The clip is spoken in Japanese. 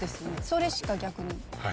それしか逆に。